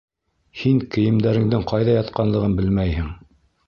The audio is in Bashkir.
Һин кейемдәреңдең ҡайҙа ятҡанлығын белмәйһең.